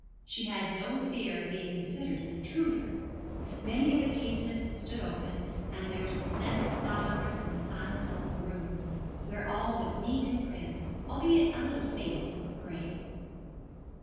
She had no fear of being considered an intruder. Many of the casements stood open, and there was the scent of flowers in the silent old rooms, where all was neat and prim, albeit a little faded and gray.